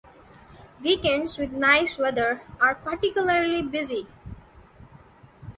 Weekends with nice weather are particularly busy.